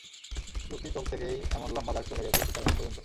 দুটি চোখ থেকেই এমন লম্বা দাগ চলে গেছে চিতার মুখ পর্যন্ত।